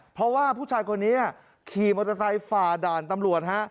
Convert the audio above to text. เพราะว่าผู้ชายคนนี้ขี่มอเตอร์ไซค์ฝ่าด่านตำรวจฮะ